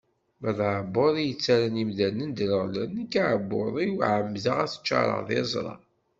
Ma d aɛebbuḍ i yettarran imdanen dreɣlen, nekk aɛebbuḍ-iw ɛemdeɣ ad t-ččareɣ d iẓra.